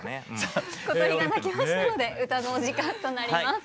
小鳥が鳴きましたので歌のお時間となります。